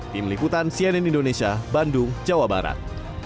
tim liputan cnn indonesia bandung jawa barat